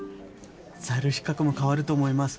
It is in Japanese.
在留資格も変わると思います。